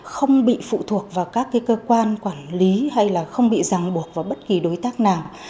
không bị phụ thuộc vào các cơ quan quản lý hay không bị ràng buộc vào bất kỳ đối tượng